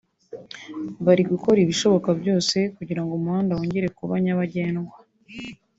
bari gukora ibishoboka byose kugira ngo umuhanda wongere kuba nyabagendwa